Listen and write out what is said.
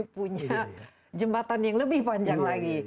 punya jembatan yang lebih panjang lagi